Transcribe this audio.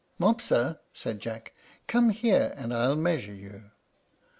"Mopsa," said Jack, "come here, and I'll measure you."